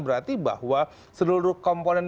berarti bahwa seluruh komponen